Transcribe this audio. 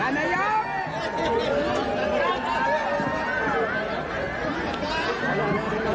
นันยอมครับ